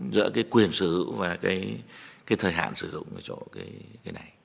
giữa cái quyền sở hữu và cái thời hạn sử dụng ở chỗ cái này